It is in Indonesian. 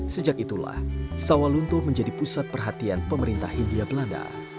sejak itulah sawalunto menjadi pusat perhatian pemerintah hindia belanda